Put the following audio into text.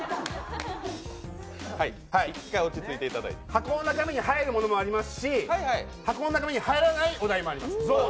箱の中に入るものもありますし箱の中に入らないお題もあります。